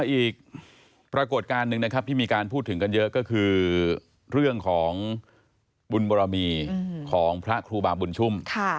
อีกปรากฏการณ์หนึ่งนะครับที่มีการพูดถึงกันเยอะก็คือเรื่องของบุญบรมีของพระครูบาบุญชุ่ม